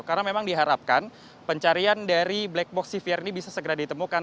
karena memang diharapkan pencarian dari black box sivir ini bisa segera ditemukan